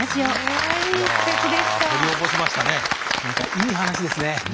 いい話ですね。